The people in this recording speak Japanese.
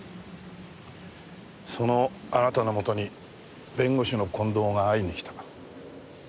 そのあなたのもとに弁護士の近藤が会いに来た。